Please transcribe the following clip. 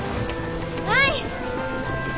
はい！